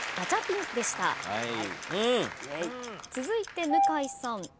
続いて向井さん。